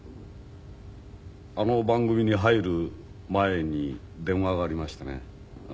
あの番組に入る前に電話がありましてね